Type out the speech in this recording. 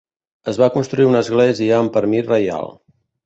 Es va construir una església amb permís reial.